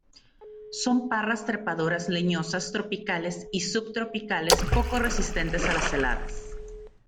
Son parras trepadoras leñosas tropicales y subtropicales poco resistentes a la heladas.